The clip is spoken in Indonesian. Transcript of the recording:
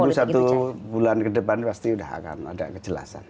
baru satu bulan ke depan pasti sudah akan ada kejelasan